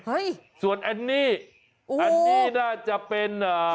เฮ้ยส่วนแอนนี่อู้แอนนี่น่าจะเป็นอ่า